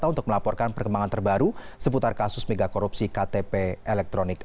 untuk melaporkan perkembangan terbaru seputar kasus megakorupsi ktp elektronik